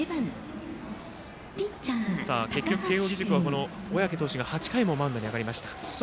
結局、慶応義塾は小宅投手が８回もマウンドに上がりました。